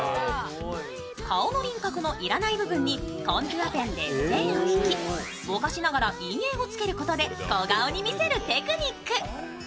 顔の輪郭の要らない部分にコントゥアペンで線を引きぼかしながら陰影をつけることで小顔に見せるテクニック。